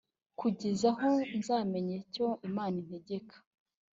kugeza aho nzamenyera icyo imana integeka